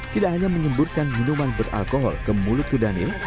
tidak hanya menyeburkan minuman beralkohol ke mulut ke daniel